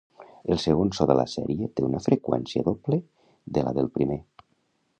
El segon so de la sèrie té una freqüència doble de la del primer.